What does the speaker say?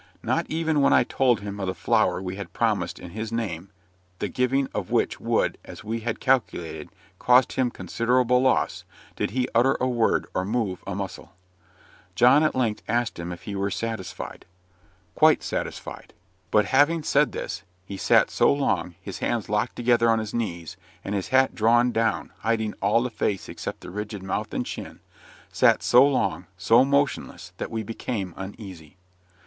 Not even when I told him of the flour we had promised in his name, the giving of which would, as we had calculated, cost him considerable loss, did he utter a word or move a muscle. John at length asked him if he were satisfied. "Quite satisfied." But, having said this, he sat so long, his hands locked together on his knees, and his hat drawn down, hiding all the face except the rigid mouth and chin sat so long, so motionless, that we became uneasy.